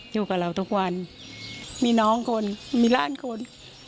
อยู่กับเราทุกวันมีน้องคนมีล้านคน